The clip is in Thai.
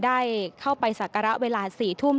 ได้เข้าไปสักการะเวลา๔ทุ่ม